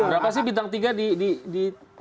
ada apa sih bintang tiga di